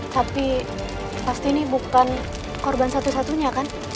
tapi pasti ini bukan korban satu satunya kan